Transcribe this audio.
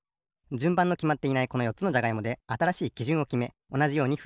じゅんばんのきまっていないこのよっつのじゃがいもであたらしいきじゅんをきめおなじようにふりわけていきます。